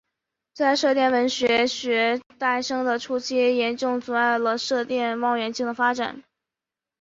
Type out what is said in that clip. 这在射电天文学诞生的初期严重阻碍了射电望远镜的发展。